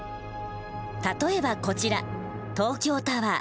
例えばこちら東京タワー。